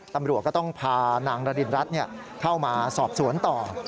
ตำรวจก็ต้องพานางระดินรัฐเข้ามาสอบสวนต่อ